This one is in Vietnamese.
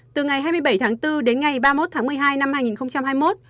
từ ngày hai mươi bảy tháng bốn đến ngày ba mươi một tháng một mươi hai năm hai nghìn hai mươi một